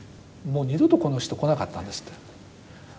もう二度とこの人来なかったんですって。